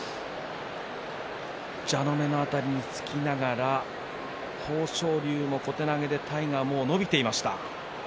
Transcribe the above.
蛇の目の辺りにつきながら豊昇龍も小手投げで体がもう伸びていました。